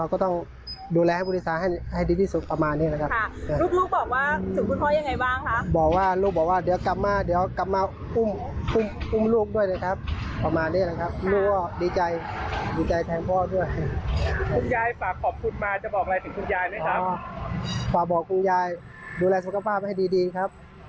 คุณยายดูแลสุขภาพให้ดีครับ